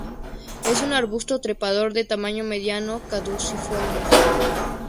Es un arbusto trepador de tamaño mediano, caducifolio.